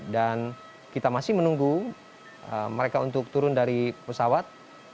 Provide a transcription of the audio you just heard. dan kita masih menunggu mereka untuk turun dari pesawat